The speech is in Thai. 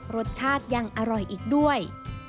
รสชาติยังอร่อยอีกด้วย